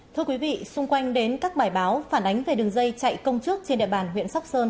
thưa quý vị xung quanh đến các bài báo phản ánh về đường dây chạy công chức trên địa bàn huyện sóc sơn